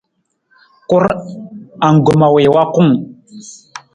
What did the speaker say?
Kur, angkoma wii wa kung.